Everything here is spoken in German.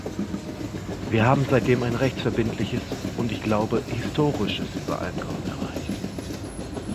Wir haben seitdem ein rechtsverbindliches und ich glaube historisches Übereinkommen erreicht.